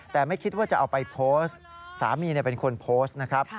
แต่ไม่คิดว่าจะเอาไปโพสต์สามีเป็นคนโพสต์นะครับ